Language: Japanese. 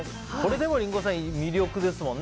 でも、リンゴさんこれは魅力ですもんね。